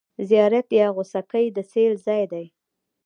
زیارت یا غوڅکۍ د سېل ځای دی.